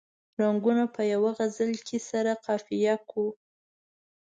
رنګونه په یوه غزل کې سره قافیه کړو.